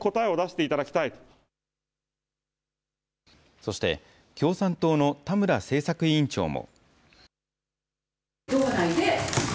そして、共産党の田村政策委員長も。